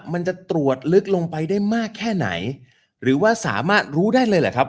มันจะตรวจลึกลงไปได้มากแค่ไหนหรือว่าสามารถรู้ได้เลยหรือครับ